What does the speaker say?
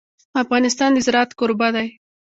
افغانستان د زراعت کوربه دی.